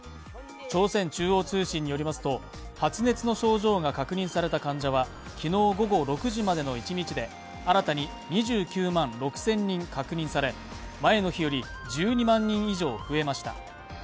朝鮮中央通信によりますと発熱の症状が確認された患者は昨日午後６時までの１日で新たに２９万６０００人確認され、前の日より１２万人以上増えました。